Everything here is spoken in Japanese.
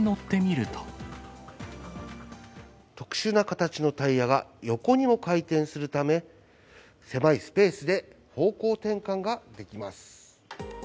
特殊な形のタイヤが横にも回転するため、狭いスペースで方向転換ができます。